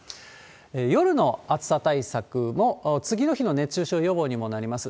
夜の暑さ対策も、次の日の熱中症予防にもなります。